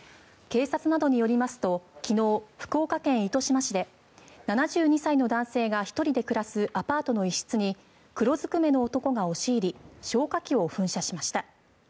警察などによりますと昨日、福岡県糸島市で７２歳の男性が１人で暮らすアパートの一室に黒ずくめの男が押し入り消火器を噴射しました。